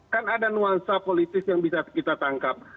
kan ada nuansa politis yang bisa kita tangkap